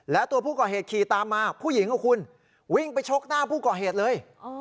และตัวผู้ก่อเหตุขี่ตามมาผู้หญิงกับคุณวิ่งไปชกหน้าผู้ก่อเหตุเลย